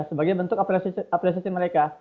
sebagai bentuk apresiasi mereka